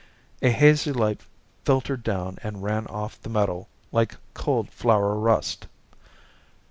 A hazy light filtered down and ran off the metal like cold flour rust.